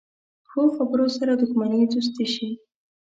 ښو خبرو سره دښمني دوستي شي.